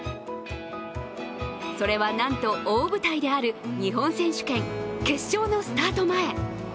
それはなんと大舞台である日本選手権決勝のスタート前。